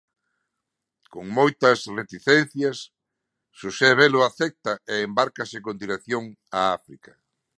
Con moitas reticencias, Xosé Velo acepta e embárcase con dirección a África.